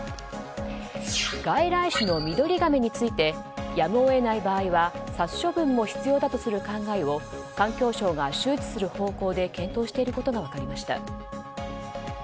外来種のミドリガメについてやむを得ない場合は殺処分も必要だとする考えを環境省が周知する方向で検討していることが分かりました。